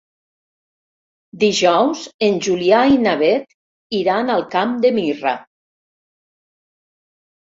Dijous en Julià i na Beth iran al Camp de Mirra.